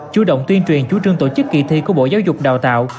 chủ động tuyên truyền chú trương tổ chức kỳ thi của bộ giáo dục đào tạo